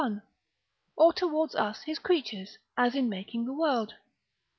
31), or towards us his creatures, as in making the world.